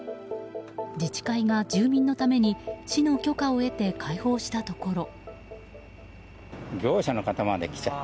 自治会が住民のために市の許可を得て開放したところ。